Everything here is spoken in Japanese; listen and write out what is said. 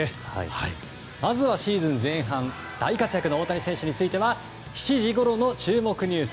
まずはシーズン前半大活躍の大谷選手については７時ごろの注目ニュース